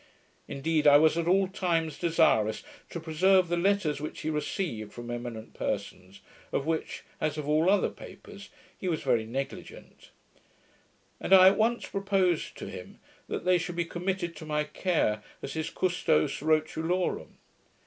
Indeed, I was at all times desirous to preserve the letters which he received from eminent persons, of which, as of all other papers, he was very negligent; and I once proposed to him, that they should be committed to my care, as his Gustos Rotulorum.